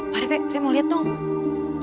parete saya mau liat tuh